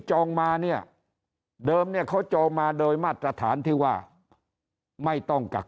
จองมาเนี่ยเดิมเนี่ยเขาจองมาโดยมาตรฐานที่ว่าไม่ต้องกัก